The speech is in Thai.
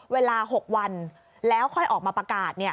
เวลา๖วันแล้วค่อยออกมาประกาศ